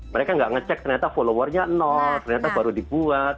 mereka nggak ngecek ternyata followernya nol ternyata baru dibuat